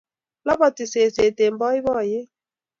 Loboti seset eng boiboiyet